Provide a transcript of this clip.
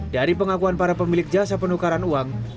dari pengakuan para pemilik jasa penukaran uang